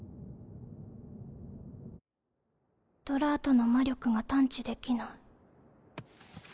ドラートの魔力が探知できない。